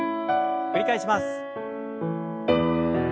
繰り返します。